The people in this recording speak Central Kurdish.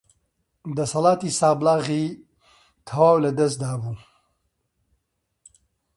دەسەڵاتی سابڵاغی تەواو لە دەستابوو